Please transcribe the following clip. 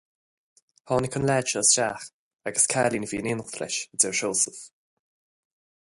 Tháinig an leaid seo isteach agus cailín a bhí in éineacht leis, a deir Seosamh.